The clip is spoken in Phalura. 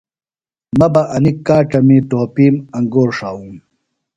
مہ بہ انیۡ کاڇمی ٹوپیم انگور ݜاووم